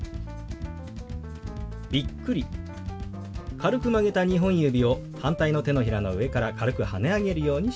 軽く曲げた２本指を反対の手のひらの上から軽くはね上げるようにします。